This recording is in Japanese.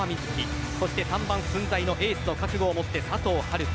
そして３番が駿台のエースと覚悟を持った佐藤遥斗。